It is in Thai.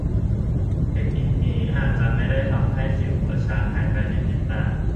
เทคนิคนี้อาจจะไม่ได้ทำให้สิวหัวช้างหายไปภายในพริบตา